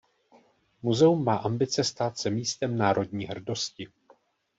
Muzeum má ambice stát se místem národní hrdosti.